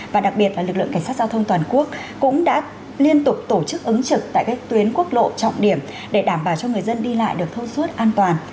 và đặc biệt là lực lượng cảnh sát giao thông toàn quốc cũng đã liên tục tổ chức ứng trực tại các tuyến quốc lộ trọng điểm để đảm bảo cho người dân đi lại được thông suốt an toàn